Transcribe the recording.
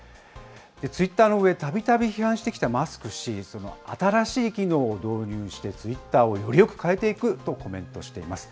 ツイッターの運営、たびたび批判してきたマスク氏、その新しい機能を導入してツイッターをよりよく変えていくとコメントしています。